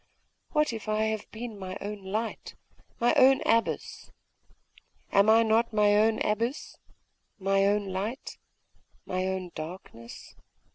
What if I have been my own light, my own abyss?.... Am I not my own abyss, my own light my own darkness?